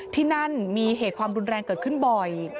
ที่นั่นมีเหตุความรุนแรงเกิดขึ้นบ่อย